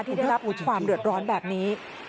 ได้รับความเดือดร้อนแบบนี้